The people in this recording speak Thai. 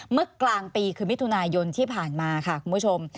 เมื่อกลางปีคือมิถุนายนที่ผ่านมาค่ะคุณผู้ชม